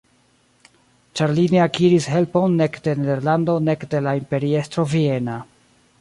Ĉar li ne akiris helpon nek de Nederlando nek de la imperiestro viena.